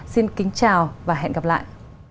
xin kính chào và hẹn gặp lại